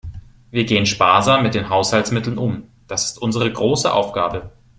Wir gehen sparsam mit den Haushaltsmitteln um, das ist unsere große Aufgabe.